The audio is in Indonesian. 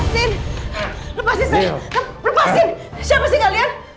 siapa sih kalian